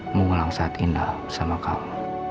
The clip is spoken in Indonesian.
mengulang saat indah sama kamu